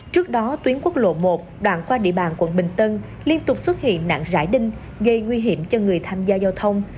trước đó tuyến quốc lộ một đoạn qua địa bàn quận bình tân liên tục xuất hiện nạn rải đinh gây nguy hiểm cho người tham gia giao thông